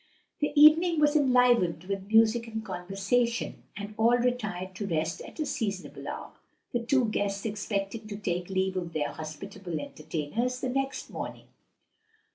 The evening was enlivened with music and conversation, and all retired to rest at a seasonable hour; the two guests expecting to take leave of their hospitable entertainers the next morning.